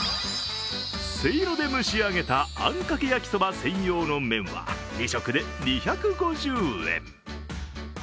せいろで蒸し上げたあんかけ焼きそば専用の麺は２食で２５０円。